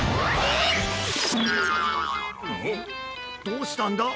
どうしたんだ？